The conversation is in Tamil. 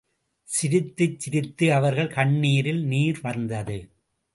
சிரித்துச் சிரித்து அவர்கள் கண்ணில் நீர் வழிந்தது.